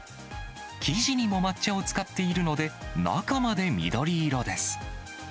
生地にも抹茶を使っているので、中まで緑色です。